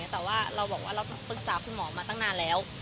แต่ว่าเราบอกว่าเราปรึกษาคุณหมอมาตั้งนานแล้ว